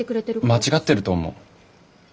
間違ってると思う。